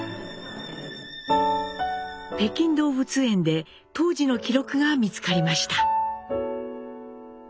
北京動物園で当時の記録が見つかりました。